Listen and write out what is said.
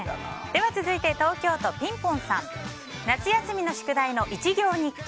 続いて東京都の方夏休みの宿題の１行日記。